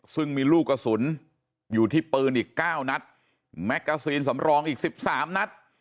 ซึ่งมีลูกกระสุนอยู่ที่ปืนอีก๙นัดแมกกาซีนสำรองอีก๑๓นัด